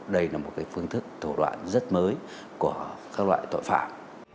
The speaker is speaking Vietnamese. đây là một phương thức thủ đoạn rất mới của các loại tội phạm